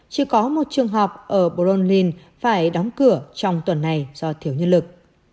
chỉ có một trường học ở boron linn phải đóng cửa trong tuần này do thiếu nhân lực